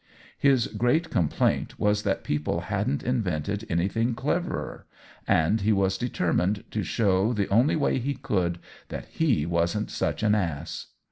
His great complaint was that people hadn't invented anything cleverer, and he was deter 172 OWEN WINGRAVE mined to show, the only way he could, that he wasn't such an ass.